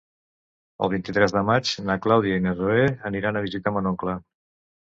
El vint-i-tres de maig na Clàudia i na Zoè aniran a visitar mon oncle.